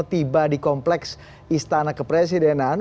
tiba di kompleks istana kepresidenan